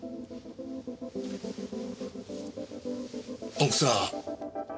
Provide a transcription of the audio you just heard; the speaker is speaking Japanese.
奥さん。